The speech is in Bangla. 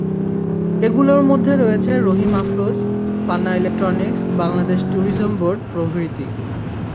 এগুলোর মধ্যে রয়েছে Rahim Afroz, Panna Electronics, Bangladesh Tourism Board প্রভৃতি।